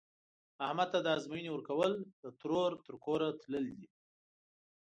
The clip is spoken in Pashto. احمد ته د ازموینې ورکول، د ترور تر کوره تلل دي.